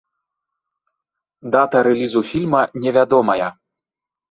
Дата рэлізу фільма невядомая.